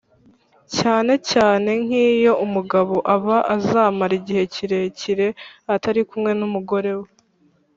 cyane cyane nk’iyo umugabo aba azamara igihe kirekire atari kumwe n’umugore we.